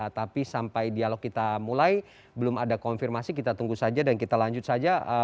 tapi sampai dialog kita mulai belum ada konfirmasi kita tunggu saja dan kita lanjut saja